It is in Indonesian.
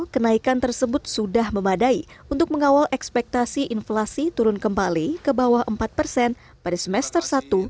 kenaikan tersebut sudah memadai untuk mengawal ekspektasi inflasi turun kembali ke bawah empat persen pada semester satu dua ribu dua puluh tiga